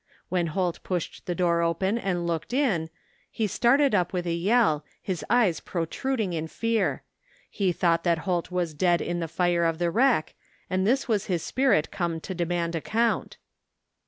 When Holt pushed the door open and looked in he started up with a yell, his eyes protruding in fear. He thought that Holt was dead in the fire of the wreck, and this was his spirit come to demand account.